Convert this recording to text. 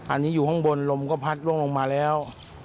อันนี้อยู่ข้างบนลมก็พัดล่วงลงมาแล้ว